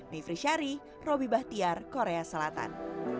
mifri syari robby bahtiar korea selatan